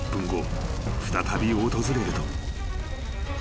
［再び訪れると］